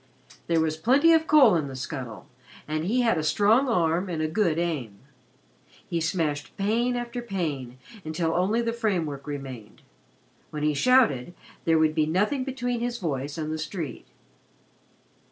There was plenty of coal in the scuttle, and he had a strong arm and a good aim. He smashed pane after pane, until only the framework remained. When he shouted, there would be nothing between his voice and the street.